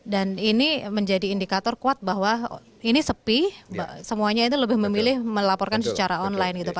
dan ini menjadi indikator kuat bahwa ini sepi semuanya itu lebih memilih melaporkan secara online